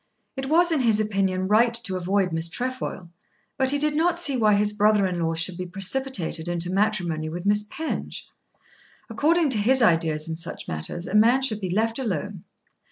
It was in his opinion right to avoid Miss Trefoil, but he did not see why his brother in law should be precipitated into matrimony with Miss Penge. According to his ideas in such matters a man should be left alone.